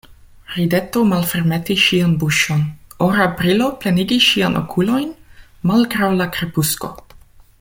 Rideto malfermetis ŝian buŝon, ora brilo plenigis ŝiajn okulojn, malgraŭ la krepusko.